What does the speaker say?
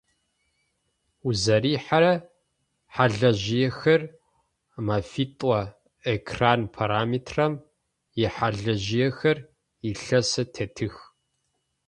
Узэрихьэрэ хьалыжъыехэр мэфитӏо, экран параметрэм ихьалыжъыехэр илъэсэ тетых.